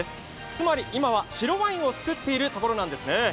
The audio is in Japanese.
つまり、今は白ワインを造っているところなんですね。